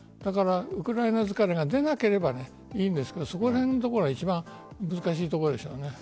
ウクライナ疲れが出なければいいんですがそこら辺が一番難しいところでしょうね。